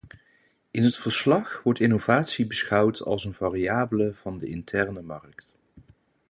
In het verslag wordt innovatie beschouwd als een variabele van de interne markt.